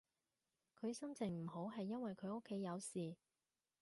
佢心情唔好係因為佢屋企有事